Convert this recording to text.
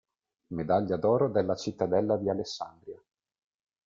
Medaglia d'oro della Cittadella di Alessandria.